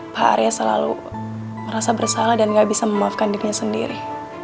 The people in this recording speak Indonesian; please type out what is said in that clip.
pak arya selalu merasa bersalah dan gak bisa memaafkan dirinya sendiri